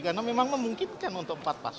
karena memang memungkinkan untuk empat paslon